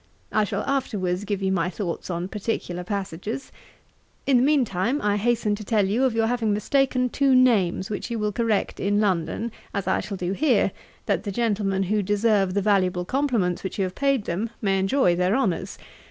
I shall afterwards give you my thoughts on particular passages. In the mean time, I hasten to tell you of your having mistaken two names, which you will correct in London, as I shall do here, that the gentlemen who deserve the valuable compliments which you have paid them, may enjoy their honours.